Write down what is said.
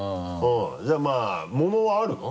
じゃあまぁものはあるの？